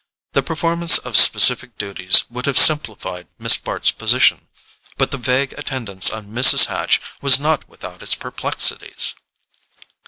The performance of specific duties would have simplified Miss Bart's position; but the vague attendance on Mrs. Hatch was not without its perplexities.